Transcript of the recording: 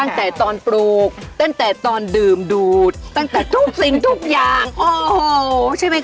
ตั้งแต่ตอนปลูกตั้งแต่ตอนดื่มดูดตั้งแต่ทุกสิ่งทุกอย่างโอ้โหใช่ไหมค